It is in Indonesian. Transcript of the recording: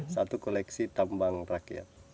satu koleksi tambang rakyat